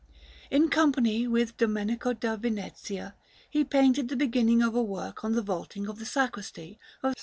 In company with Domenico da Vinezia, he painted the beginning of a work on the vaulting of the Sacristy of S.